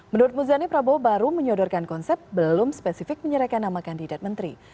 menurut muzani prabowo baru menyodorkan konsep belum spesifik menyerahkan nama kandidat menteri